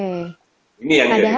ini yang menjadi pro